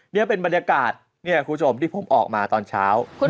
นี่เป็นบรรยากาศที่ผมออกมาตอนเช้า